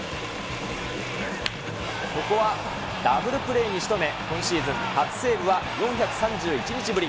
ここはダブルプレーに仕留め、今シーズン初セーブは、４３１日ぶり。